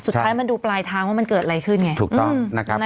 สุดท้ายมันดูปลายทางว่ามันเกิดอะไรขึ้นไงถูกต้องนะครับ